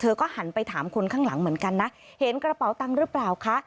ก็หันไปถามคนข้างหลังเหมือนกันนะเห็นกระเป๋าตังค์หรือเปล่าคะ